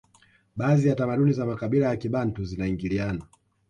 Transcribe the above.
baadhi ya tamaduni za makabila ya kibantu zinaingiliana